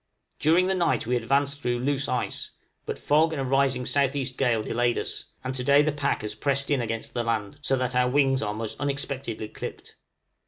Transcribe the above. During the night we advanced through loose ice; but fog and a rising S.E. gale delayed us, and to day the pack has pressed in against the land, so that our wings are most unexpectedly clipped.